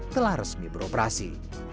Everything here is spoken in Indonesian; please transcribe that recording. telah resmi beroperasi